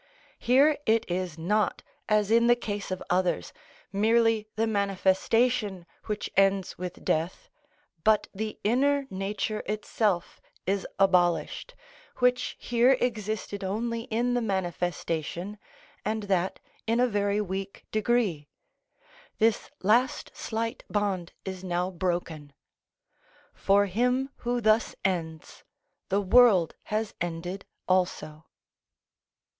Here it is not, as in the case of others, merely the manifestation which ends with death; but the inner nature itself is abolished, which here existed only in the manifestation, and that in a very weak degree;(84) this last slight bond is now broken. For him who thus ends, the world has ended also.